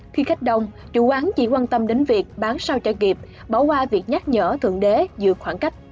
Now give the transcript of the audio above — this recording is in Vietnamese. khi khách đông chủ quán chỉ quan tâm đến việc bán sao cho kịp bỏ qua việc nhắc nhở thượng đế dược khoảng cách